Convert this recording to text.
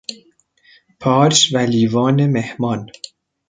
پارچ و لیوان مهمان